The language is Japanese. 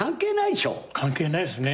関係ないですね。